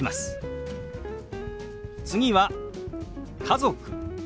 次は「家族」。